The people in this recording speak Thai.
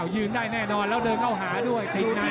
อยื่นได้แน่นอนแล้วดึงเอาหาด้วย